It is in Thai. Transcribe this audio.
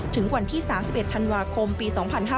ถึงวันที่๓๑ธันวาคมปี๒๕๕๙